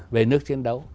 về nước chiến đấu